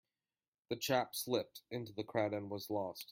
The chap slipped into the crowd and was lost.